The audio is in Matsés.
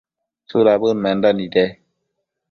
¿tsudabëd menda nide ?